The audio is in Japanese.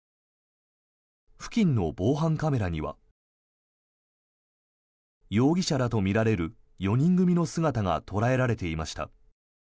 付近の防犯カメラには容疑者らとみられる４人組の姿が捉えられていました。